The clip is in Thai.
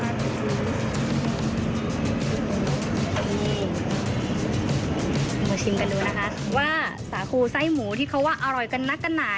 มาชิมกันดูนะคะว่าสาคูไส้หมูที่เขาว่าอร่อยกันนักกันหนา